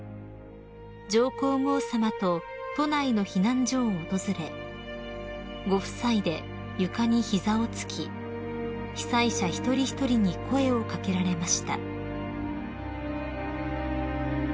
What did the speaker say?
［上皇后さまと都内の避難所を訪れご夫妻で床に膝を突き被災者一人一人に声を掛けられました］